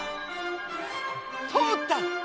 通った！